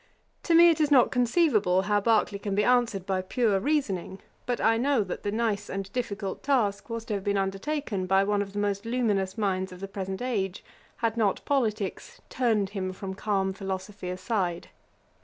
To me it is not conceivable how Berkeley can be answered by pure reasoning; but I know that the nice and difficult task was to have been undertaken by one of the most luminous minds of the present age, had not politicks 'turned him from calm philosophy aside.'